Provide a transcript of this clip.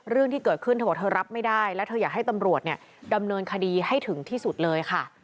เรื่องที่เกิดขึ้นเธอบอกเธอรับไม่ได้และเธออยากให้ตำรวจเนี่ยดำเนินคดีให้ถึงที่สุดเลยค่ะ